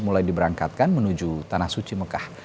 mulai diberangkatkan menuju tanah suci mekah